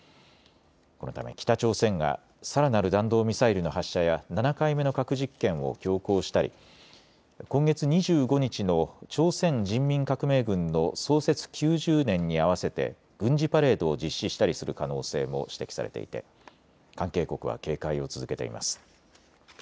このため北朝鮮がさらなる弾道ミサイルの発射や７回目の核実験を強行したり今月２５日の朝鮮人民革命軍の創設９０年に合わせて軍事パレードを実施したりする可能性も指摘されていて関係国は警戒を続けています。